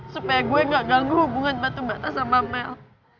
supaya gue gak ganggu hubungan batu bata sama mel